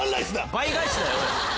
倍返しだよ。